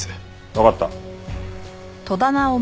わかった。